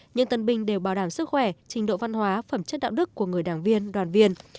những tân binh đều bảo đảm sức khỏe trình độ văn hóa phẩm chất đạo đức của người đảng viên đoàn viên